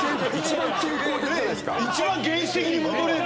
一番原始的に戻れる。